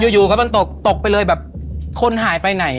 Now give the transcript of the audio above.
อยู่ครับมันตกตกไปเลยแบบคนหายไปไหน